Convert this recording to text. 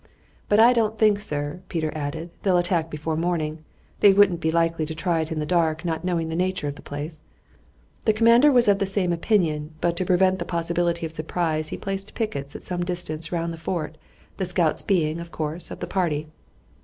"But I don't think, sir," Peter added, "they'll attack before morning. They wouldn't be likely to try it in the dark, not knowing the nature of the place." The commander was of the same opinion, but to prevent the possibility of surprise he placed pickets at some distance round the fort, the scouts being, of course, of the party.